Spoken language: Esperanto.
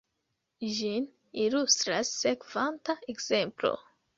Ĝin ilustras sekvanta ekzemplo.